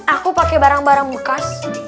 aku pakai barang barang bekas